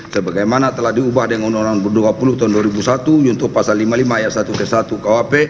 sebagai mana telah diubah dengan undang undang nomor dua puluh tahun dua ribu satu yontok pasal lima puluh lima ayat satu ke satu kuap